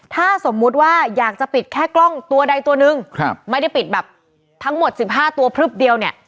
ถ้าสมมุติว่าอยากจะปิดแค่กล้องตัวใดตัวนึงไม่ได้ปิดแบบทั้งหมด๑๕ตัวพลึบเดียวเนี่ย